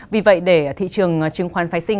vì vậy để thị trường chứng khoán phái xích